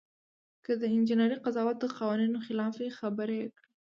که د انجینر قضاوت د قوانینو خلاف وي خبره یې کړئ.